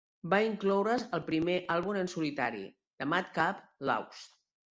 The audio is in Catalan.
Va incloure's al seu primer àlbum en solitari, "The Madcap Laughs".